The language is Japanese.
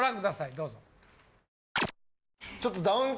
どうぞ。